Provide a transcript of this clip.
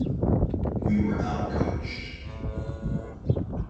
We were outcoached.